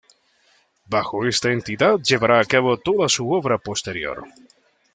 Bajo esta entidad llevará a cabo toda su obra posterior.